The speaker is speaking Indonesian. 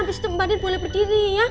abis itu bandit boleh berdiri ya